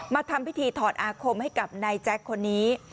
ทำพิธีถอดอาคมให้กับนายแจ๊คคนนี้